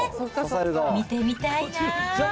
見てみたいなー。